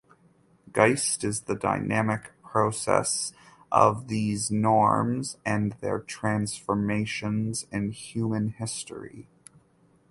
Geist is the dynamic process of these norms and their transformations in human history.